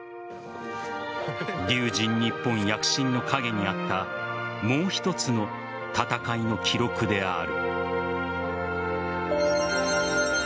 龍神ＮＩＰＰＯＮ躍進の陰にあったもう一つの戦いの記録である。